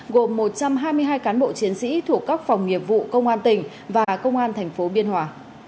gồm một trăm hai mươi hai cán bộ chiến sĩ thuộc các phòng nghiệp vụ công an tỉnh và công an tp biên hòa